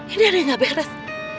ini ada yang gak beres